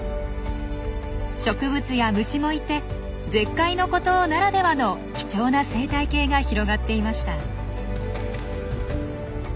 植物や虫もいて絶海の孤島ならではの貴重な生態系が広がっていました。